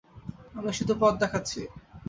আমি শুধু পথ দেখাচ্ছি।